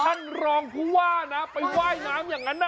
ท่านรองผู้ว่านะไปว่ายน้ำอย่างนั้นนะ